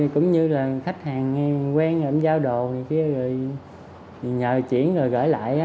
cũng như là khách hàng quen rồi em giao đồ rồi nhờ chuyển rồi gửi lại